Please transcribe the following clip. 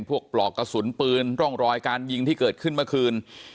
ปลอกกระสุนปืนร่องรอยการยิงที่เกิดขึ้นเมื่อคืน